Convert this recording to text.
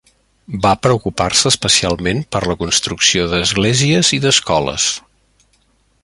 Va preocupar-se especialment per la construcció d'esglésies i d'escoles.